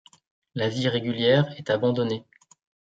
La vie régulière est abandonnée.